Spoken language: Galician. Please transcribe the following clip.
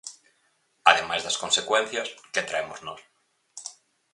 Ademais das consecuencias, ¿que traemos nós?